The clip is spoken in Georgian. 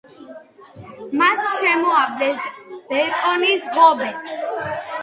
მას შემოავლეს ბეტონის ღობე.